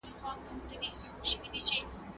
د هر چا حق بايد خوندي وي.